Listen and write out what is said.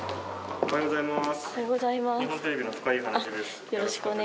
おはようございます。